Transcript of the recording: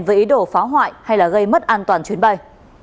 với ý đồ phá hoại hay là gây mất an toàn chuyến bay